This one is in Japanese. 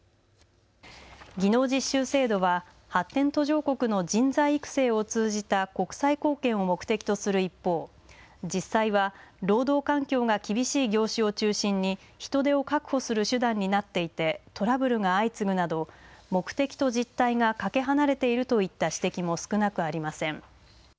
技能実習制度は発展途上国の人材育成を通じた国際貢献を目的とする一方、実際は労働環境が厳しい業種を中心に人手を確保する手段になっていてトラブルが相次ぐなど目的と実態がかけ離れているといった指摘も少なくありません。